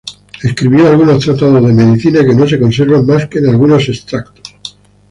Escribió algunos tratados de medicina que no se conservan más que en algunos extractos.